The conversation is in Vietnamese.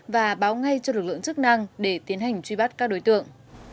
và báo ngay cho lực lượng chức năng để tiến hành truy bắt các đối tượng